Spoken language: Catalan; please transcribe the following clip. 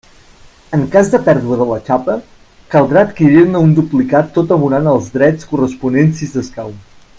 En cas de pèrdua de la xapa, caldrà adquirir-ne un duplicat tot abonant els drets corresponents si s'escau.